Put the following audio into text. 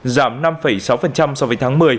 giảm năm sáu so với tháng một mươi